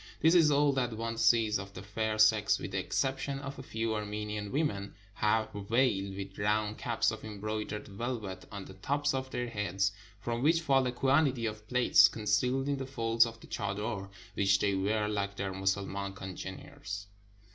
This is all that one sees of the fair sex, with the exception of a few Armenian women, half veiled, with round caps of embroidered velvet on the tops of their heads, from which fall a quantity of plaits, concealed in the folds of the chader, which they wear like their Mussulman congeners.